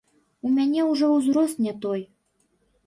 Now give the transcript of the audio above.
У мяне ўжо ўзрост не той.